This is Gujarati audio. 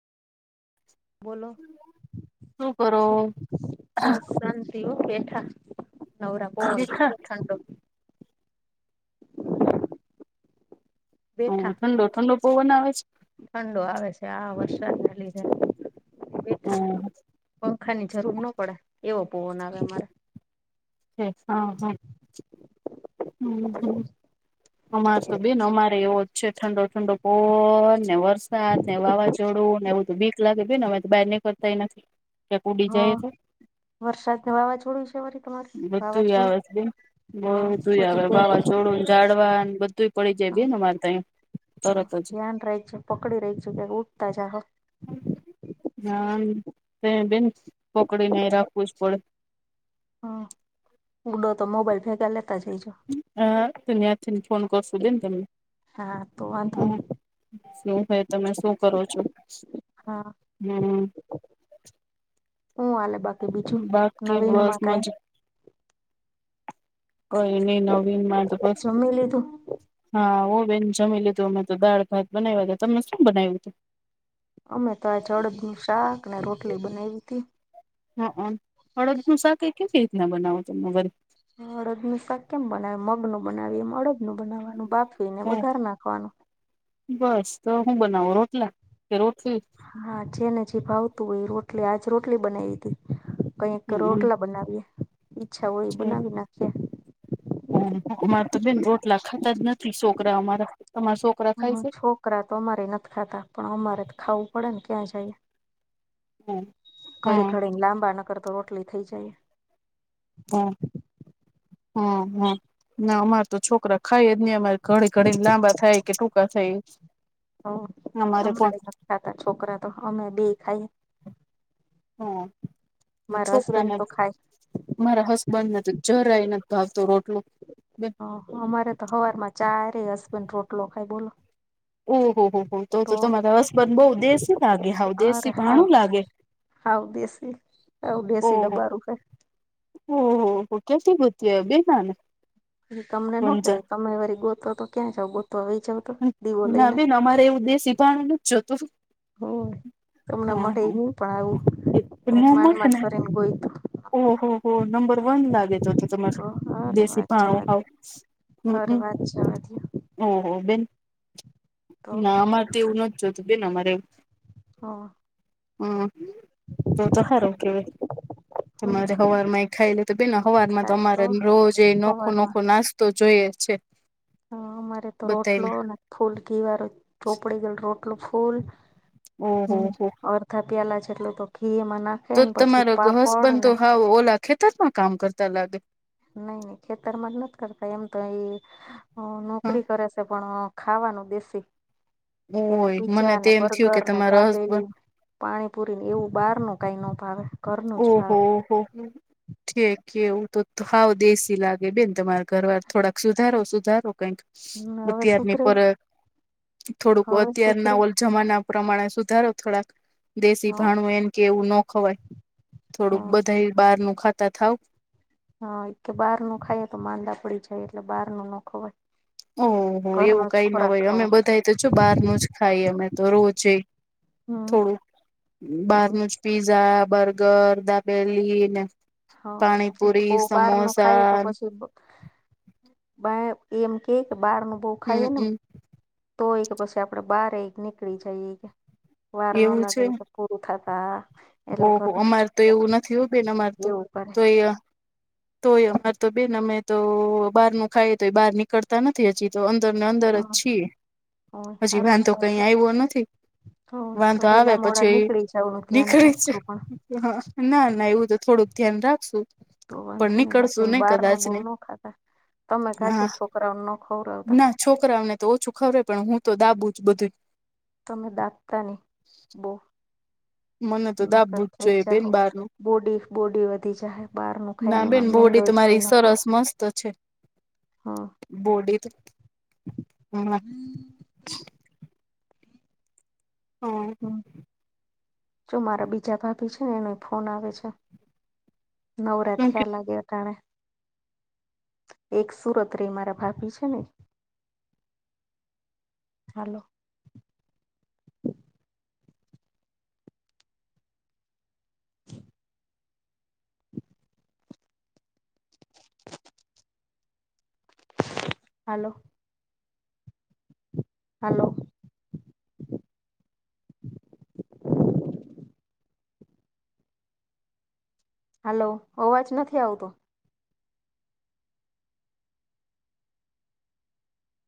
બોલો શું કરો બસ સાત થી બેઠા નવરા પવન દેખા ખાઈ ઠંડો હ બેઠા ઠંડો ઠંડો પહવ ન આવે છે. ઠંડો આવે છે આ વરસાદને લીધે હમ્મ પંખા ની જરૂર ના પડે એવો પવોન આવે અમારે હા હા હમ્મ હમ્મ અમાર તો બેન અમારે એવો જ છે ઠંડો ઠંડો પવન ને વર રસાદ ને વાવાઝોડું ને એવધું બીક લાગે ને અમે તો બહાર નીકળતા નથી ક્યાંક ઉડી જાય તો હ વરસાદ ન વાવાઝોડું છે વરી તમારે બધું યી વાવાઝોડું અવે છે. હા બધુંય બધું આવેળ હા વાવાઝોડું ને જાડવા બધું પડી જાય ભી ને મારે તહી હ ધ્યાન રાખજ પકડી રહીજ કે ઉઠતા જા હો. હા ત બેન પકડીને રાખવું જ પડે હમ ઊંડો તો મોબાઈલ ભેગા લેતા જઈજો હા તો ત્યાંથી ને ફોન કરશો બેે ને તમને હા તો વાંધો હા નય શું હય તમે શું કરો છો? હા હમ્મ હું હલે બાકી બીજું બાકી નવીન બસ માં કઈ મજ કોઈ નહી નવીન માં તો બસ જમી લીધું હા ઓ બેન જમી લીધું અમે તો દાળ ભાત બનાવ્યા હતા તમને શું બનાવ્યું હતું અમે તો આ જડદ ન શાક ને રોટલી બનાવી તી હા હળદ નું શા કઈ કેવી રીતના બનાવો તરી હ અડદ નનું શાક કેમ બનાવે મગનું બનાવી એમ અડદ નું બનાવાનું બાફવીને હા વધાર નાખવાનું બસ તો હું બનાવું રોટલા કે રોટલી હા જેને જે ભાવતું હોય એ રોટલી આજ રોટલી બનાવી હતી કઈક હમ રોટલા બનાવીએ ઈચ્છા હોય બનાવી નાખીએ હમ અમારે તો બેન રોટલા ખાતા જ નથી છોકરા અમારા તમારા છોકરા હ ખાય છે છોકરા તો અમારે નથી ખાતા પણ અમારે તો ખાવું પડે ને ક્યાં જઈએ. હા ઘડી હા ઘડી ને લાંબા નકર તો રોટલી થઈ જાય. હમ હમ હમ. ના અમાર તો છોકરા ખાઈ જ નહી અમારે ઘડી ઘડી લાંબા થાય કે ટૂંકા થાય, હ અમારે પણ તમારે ખાતા છોકરા તો અમે બે ખાઈ. હમ મારા હસબેન્ડ છોકરામાં તો ખાય. મારા હસબન્ડ ને તો જરાઈ નથી ભાવતું રોટલું. હ અમારે તો હવાર માં ચારે હસબન રોટલો ખાય બોલો. ઓહ હો હો તો તો તમારા હસબંધ બહ દેશી લાગે હ દેશી ભાણું લાગે. હ દેશી હ દેશી ડબ્બા રું છેે. ઓહ હો કેતી ભૂતી બે નાને. પછ તમને ન કેવાય તમે વારી ગોત તો ક્યાં જાવ ગોત આવી જાવ તો દીવો ના લઈને બેન અમારે એવું દેશી પાણી ન જ જોતું. હમ તમને હા મળે હા ન પણ આવું માન માન કરેને ગય તો. ઓહ હો નંબર વન લાગે તો તો તમારે અરે દેશી વાત ભાણો જવા હાવ. દયો અરે હમમ વાત જવા દયો ઓહ બિલ. તો ના અમારે તો એવું નથી જોતું બેન અમારે. હા, હમ તો તો ખારું કે. હમ તમારે હવાર માં એ ખાઈ લે તો બે હવારમાં તો તમામારે રોજ નોખો હવારમાં નોખો નાસ્તો તો જોઈએ છે. હ અમારે તો રોટલો બધાને ને ફૂલ ઘીવારું ચોપડી ગયેલું રોટલું ફૂલ ઓહો હમ હો અરથા પ્યાિયાલા છેટલું તો ખી એ મ ના તો તમારો ઘસ બનતો હાવ ઓલા ખેતરમાં કામ કરતા લાગે. નઈ નઈ ખેતર માં જ નથી કરતા એમ તો એ હા નોકરી કરે છે પણ. ખાવાનું દેશે એને ઓય પીજા મને તો ને એમ થયું બર્ગર કે ને તમારા હસબન્ડ દાબેલી. પાણીપુરી ને એવું બહાર ન કાઈ ન ભાવે. ઘરનું જ ઓહ ભાવે હ હ. ઠક એવું તો હાવ દેશી લાગે બેન તમારા ઘરવાર થોડાક સુધારો સુધારો કંઈક. અત હવે આારમની સુધરે પરત. થોડુંક હવે સુધરે અત્યારના ઓલ જમાના પ્રમાણે સુધારો થોડાક. હ દેશી ભાણું એમ કે એવું ન ખવાય હ થોડુંક બધા બહાર નું ખાતા થાવ. હા કે બહાર નું ખાઈ તો માંદા પડી જાય એટલે બહાર નું ના ખવાય. ઓહ ઘરનો એવું જ કઈ ન ખોરાક હોય અમે ખવાય બધા. તો જો બહારનું જ ખાઈ અમે તો રોજે હમ થોડું હમ બહારનું જ પિઝા બર્ગર દાપેલીન. હા બહ બહાર નું ખાય તો પછી બા એમ કે કે બહાર ન બહ ખાઈ ને હમમ તોય કે પછી આપડે બહાર એ નીકળી જઈએ કે વાર ન એવું લાગે. છે પ થતા. એટલે ઓહો ઘર અમારે તો એવું નથી હોયું બેન અમાર તો એવું કરે તો એ તોય અમાર તો બેન અમે તો બહાર નું ખાઈએ તો બહાર નીકળતા ને. હજી તો અંદરને અંદર હ જ છીએ, હજી સારું વાંધો કઈ કેવાય આવ્યો નથી. તો હ તો વાંધો આવે વેલા મોડા પછી, નીકળી જાવ નું ધ્યાન નીકળી રાખજો પણ ના-ના એવું તો થોડુંક ધ્યાન રાખશું. તો પણ વાંધોની નીકળશું બાકી નહી બારનું કદાચ બો ને ના ખાતા તમે હા કાચો છોકરાઓને ના ખવડાતા ના છોકરાઓને તો ઓછું ખબર પણ હું તો દાબું જ બધું તમે દાખતા નહી, બો. મને તો મગર દાબવું જ થઇ જોઈએ બેન જાહો બહારનું બોડી-બોડી વધી જ બાર ના બેન બોડી તો મારી સરસ મસ્ત છે. હમ બોડી તો, હમ્મ. હ હમ્મ, જો મારા બીજા ભાભી છે ને એનો ફોન આવે છે. નવરા શું થિયાં લાગે અટાણે એક સુરત રેય મારા ભાભી છે ને, હાલો. [inaudible] હાલો. હાલો. હાલો, અવાજ નથી આવતો.